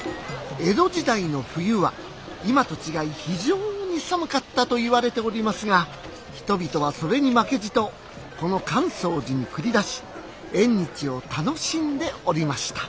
江戸時代の冬は今と違い非常に寒かったといわれておりますが人々はそれに負けじとこの寛窓寺に繰り出し縁日を楽しんでおりました。